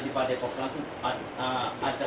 penyelamatnya penyelamatnya dan penyelamatnya